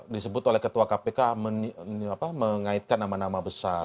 disebut oleh ketua kpk mengaitkan nama nama besar